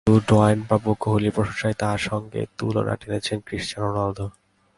কিন্তু Dwayne Bravo কোহলির প্রশংসায় তাঁর সঙ্গে তুলনা টেনেছেন ক্রিস্টিয়ানো রোনালদোর।